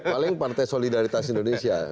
paling partai solidaritas indonesia